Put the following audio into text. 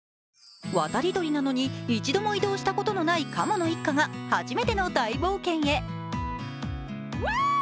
渡り鳥なのに一度も移動したことがないかもの一家が初めての大冒険へ。